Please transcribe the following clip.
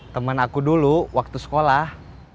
temen aku dulu waktu sekolah